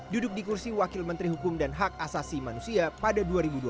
duduk di kursi wakil menteri hukum dan hak asasi manusia pada dua ribu dua puluh